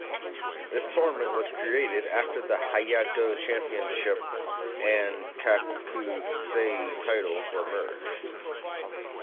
This tournament was created after the Hayago Championship and Kakusei titles were merged.